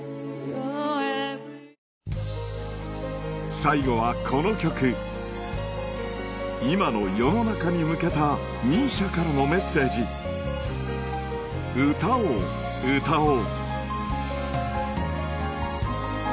最後はこの曲今の世の中に向けた ＭＩＳＩＡ からのメッセージ『歌を歌おう』